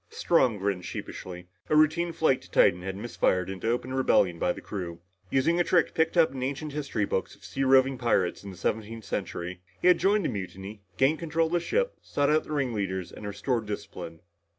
Strong grinned sheepishly. A routine flight to Titan had misfired into open rebellion by the crew. Using a trick picked up in ancient history books of sea roving pirates in the seventeenth century, he had joined the mutiny, gained control of the ship, sought out the ring leaders and restored discipline.